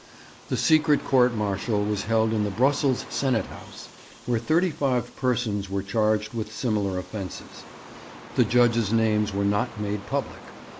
The secret court martial was held in the Brussels Senate House, where thirty five persons were charged with similar offences. The judges' names were not made public.